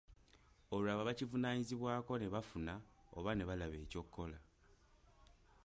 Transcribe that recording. Olwo abo abakivunaanyizibwako ne bafuna oba ne balaba ekyokukola.